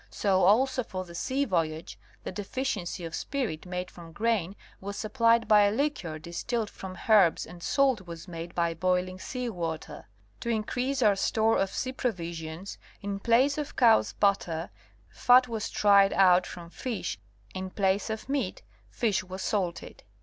So also for the sea voyage, the deficiency of spirit made from grain was supplied by a liquor distilled from herbs, and salt was made by boiling sea water. To increase our store of sea provisions, in place of cow's butter, fat was tried out from fish, in place of meat fish was salted.